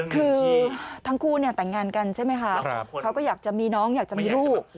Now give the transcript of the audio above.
คือทั้งคู่เนี่ยแต่งงานกันใช่ไหมคะเขาก็อยากจะมีน้องอยากจะมีลูก